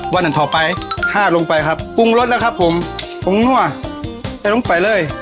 อันต่อไปห้าลงไปครับปรุงรสแล้วครับผมปรุงนั่วให้ลงไปเลย